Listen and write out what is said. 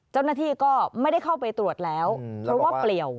เจ้าหน้าที่ก็ไม่ได้เข้าไปตรวจแล้วเพราะว่าเปลี่ยว